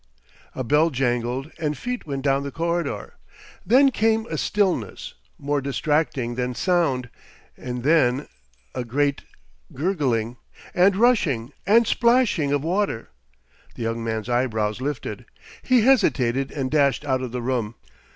A bell jangled, and feet went down the corridor. Then came a stillness more distracting than sound, and then a great gurgling and rushing and splashing of water. The young man's eyebrows lifted. He hesitated, and dashed out of the room.